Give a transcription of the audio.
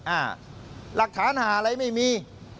หลักฐานหาอะไรไม่มี